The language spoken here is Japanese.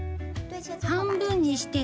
半分にして。